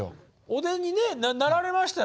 お出にねなられましたよね。